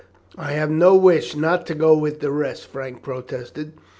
"I have no wish not to go with the rest," Frank protested.